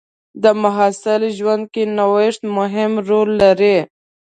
د محصل ژوند کې نوښت مهم رول لري.